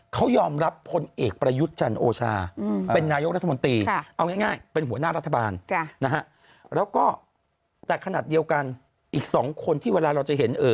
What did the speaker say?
เขายอมรับผลเอกประยุทธ์จันทร์โอชา